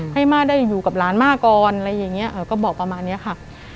ม่าได้อยู่กับหลานม่าก่อนอะไรอย่างนี้ก็บอกประมาณนี้ค่ะ